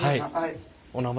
お名前は？